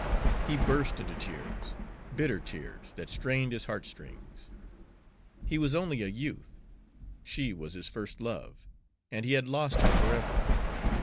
He burst into tears, bitter tears, that strained his heartstrings. He was only a youth. She was his first love, and he had lost her forever.